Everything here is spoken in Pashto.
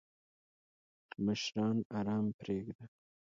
مشران آرام پریږده!